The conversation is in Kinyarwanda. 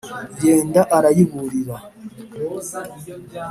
Yenda arayiburire